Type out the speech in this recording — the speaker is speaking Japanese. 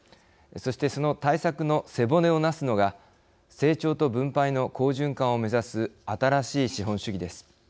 そしてその対策の背骨をなすのが成長と分配の好循環を目指す新しい資本主義です。